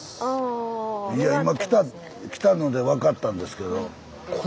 いや今来たので分かったんですけど。